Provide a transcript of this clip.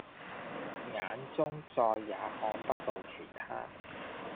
眼中再也看不到其他